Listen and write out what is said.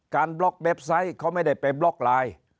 บล็อกเว็บไซต์เขาไม่ได้ไปบล็อกไลน์